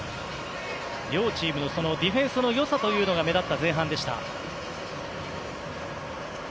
両チームのディフェンスの良さが目立った前半でした。